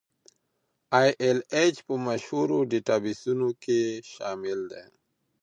ای ایل ایچ په مشهورو ډیټابیسونو کې شامل دی.